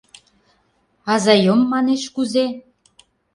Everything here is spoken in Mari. — А заём, манеш, кузе?